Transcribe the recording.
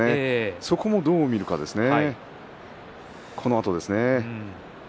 そこをどう見るかですね。